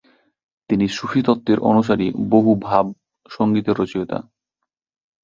তিনি সুফি তত্ত্বের অনুসারী বহু ভাব সংগীতের রচয়িতা।